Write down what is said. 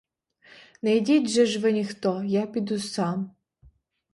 Не йдіть же ж ви ніхто, я піду сам.